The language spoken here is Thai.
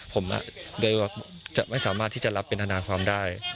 ผมโดยจะไม่สามารถที่จะรับเป็นทนายความได้